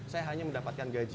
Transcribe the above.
saya hanya mendapatkan gaji